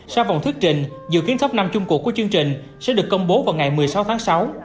sau vòng thuyết trình dự kiến thấp năm chung cuộc của chương trình sẽ được công bố vào ngày một mươi sáu tháng sáu